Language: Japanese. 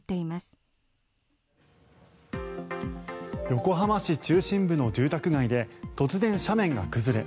横浜市中心部の住宅街で突然、斜面が崩れ